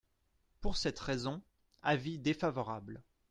Pour cette raison, avis défavorable.